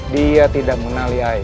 dia tidak menali air